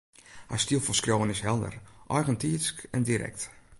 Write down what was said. Har styl fan skriuwen is helder, eigentiidsk en direkt